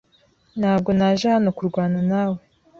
Ntabwo naje hano kurwana nawe.